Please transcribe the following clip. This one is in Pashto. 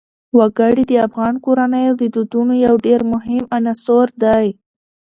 وګړي د افغان کورنیو د دودونو یو ډېر مهم عنصر دی.